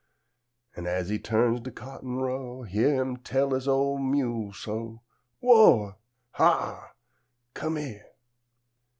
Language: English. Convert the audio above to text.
An' as 'e tu'ns de cotton row, Hyah 'im tell 'is ol' mule so; "Whoa! Har! Come'ere!"